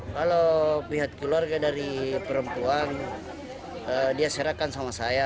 kalau pihak keluarga dari perempuan dia serahkan sama saya